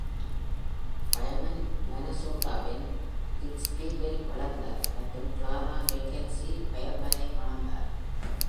பயர்மன் மினசோட்டாவின் லிட்ச்பீல்டில் வளர்ந்தார் மற்றும் Clara McKenzie பயர்மனை மணந்தார்.